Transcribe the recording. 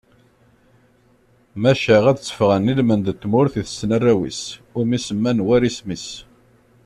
Maca ad d-tefɣen ilmend n tmurt i tetten arraw-is, umi semman war isem-is.